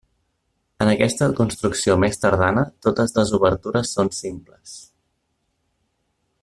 En aquesta construcció més tardana totes les obertures són simples.